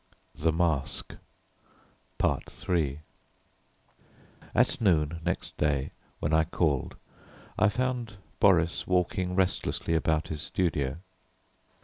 III At noon next day when I called, I found Boris walking restlessly about his studio.